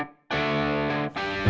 udah punya pacar baru